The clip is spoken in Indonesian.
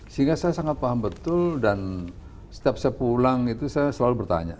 sehingga saya sangat paham betul dan setiap saya pulang itu saya selalu bertanya